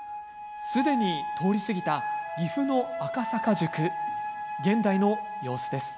すでに通り過ぎた岐阜の赤坂宿現代の様子です。